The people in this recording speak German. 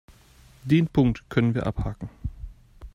Den Punkt können wir abhaken.